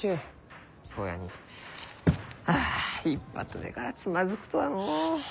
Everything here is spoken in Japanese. そうやにはあ一発目からつまずくとはのう。